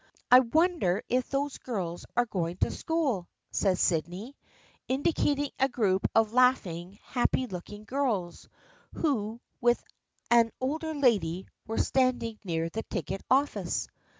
" I wonder if those girls are going to school," said Sydney, indicating a group of laughing, happy looking girls who with an older lady were stand ing near the ticket office.